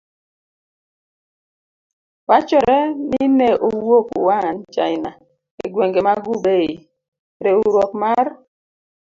Wachore ni ne owuok Wuhan, China, e gwenge mag Hubei: Riwruok mar